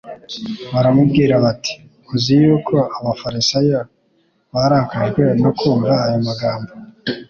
baramubwira bati: "Uzi yuko abafarisayo barakajwe no kumva ayo magambo."